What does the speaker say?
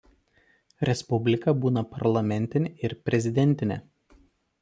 Respublika būna parlamentinė ir prezidentinė.